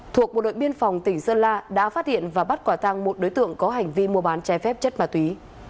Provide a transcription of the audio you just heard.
thuộc một đội biên phòng tỉnh sơn la đã phát hiện và bắt quả thang một đối tượng có hành vi mua bán chai phép chất ma túy